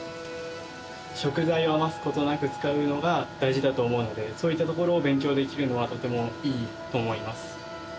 食材を余す事なく使うのが大事だと思うのでそういったところを勉強できるのはとてもいいと思います。